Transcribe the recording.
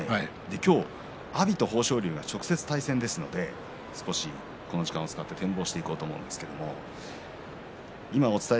今日は阿炎と豊昇龍は直接対戦ですのでこの時間を使って展望していきます。